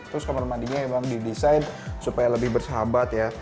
terus kamar mandinya memang didesain supaya lebih bersahabat ya